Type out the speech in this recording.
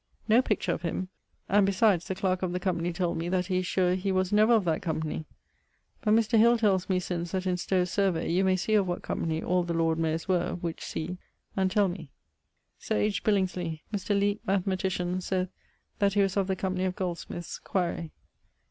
No picture of him, and besides the clarke of the Company told me that he is sure he was never of that Company. But Mr. Hill tells me since that in Stowe's Survey you may see of what Company all the Lord Mayers were, which see and tell me. Sir H. Billingsley Mr. Leeke, mathematician, saith that he was of the company of goldsmiths, quaere.